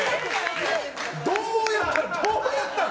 どうやったの？